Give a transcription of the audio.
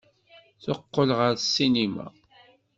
Teqqel ɣer ssinima.